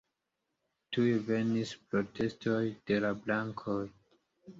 Tuj venis protestoj de la bankoj.